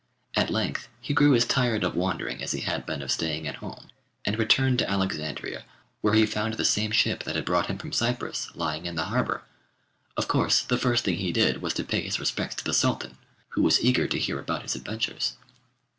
At length he grew as tired of wandering as he had been of staying at home, and returned to Alexandria, where he found the same ship that had brought him from Cyprus lying in the harbour. Of course the first thing he did was to pay his respects to the Sultan, who was eager to hear about his adventures.